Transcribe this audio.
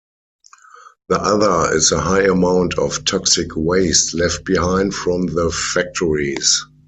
The other is the high amount of toxic waste left behind from the factories.